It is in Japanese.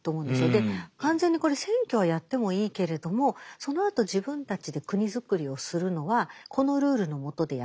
で完全にこれ選挙はやってもいいけれどもそのあと自分たちで国づくりをするのはこのルールのもとでやってね。